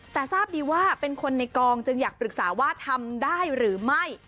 แต่ทราบดีว่าเป็นคนในกองจึงอยากปรึกษาว่าทำได้หรือไม่